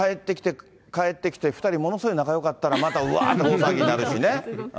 帰ってきて、２人、ものすごい仲よかったらまたうわーっと大騒ぎになるしね。